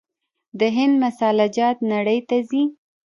د هند مساله جات نړۍ ته ځي.